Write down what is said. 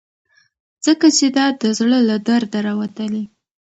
ځکه چې دا د زړه له درده راوتلي.